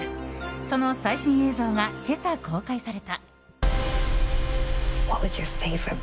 その最新映像が今朝、公開された。